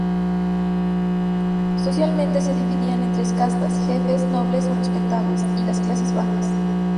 Socialmente se dividían en tres castas: jefes, nobles o respetables, y las clases bajas.